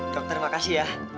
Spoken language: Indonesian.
dokter makasih ya